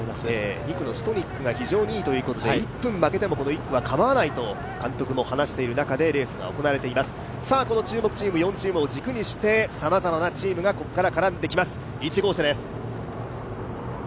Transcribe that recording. ２区のシトニックが非常にいいということで１区負けてもいいという中でレースが行われています、注目チーム４チームを軸にしてさまざまなチームがここから絡んできます、１号車です。